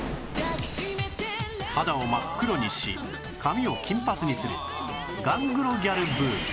肌を真っ黒にし髪を金髪にするガングロギャルブーム